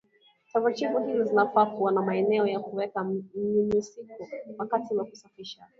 Taratibu hizi zinafaa kuwa na maeneo ya kuweka mnyunyusiko wakati wa kusafisha